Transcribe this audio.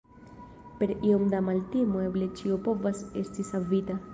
Per iom da maltimo eble ĉio povas esti savita.